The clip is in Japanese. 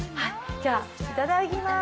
じゃあいただきます。